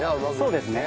そうですね。